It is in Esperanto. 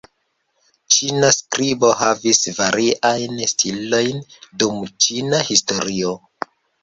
Ĉina skribo havis variajn stilojn dum ĉina historio.